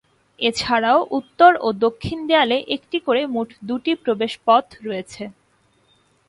এছাড়াও উত্তর ও দক্ষিণ দেয়ালে একটি করে মোট দুটি প্রবেশপথ রয়েছে।